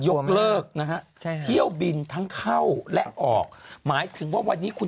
ยกเลิกนะฮะใช่เที่ยวบินทั้งเข้าและออกหมายถึงว่าวันนี้คุณ